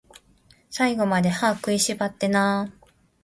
最後まで、歯食いしばってなー